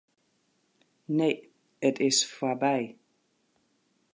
Nee, it is fuortby.